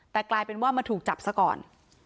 แต่กลายเป็นว่ามาถูกจับซะก่อน